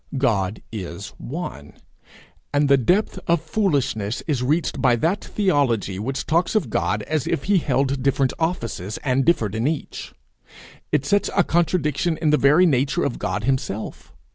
God is one; and the depth of foolishness is reached by that theology which talks of God as if he held different offices, and differed in each. It sets a contradiction in the very nature of God himself.